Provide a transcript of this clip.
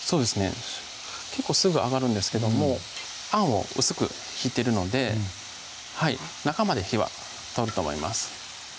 結構すぐ揚がるんですけどもあんを薄くひいてるので中まで火は通ると思います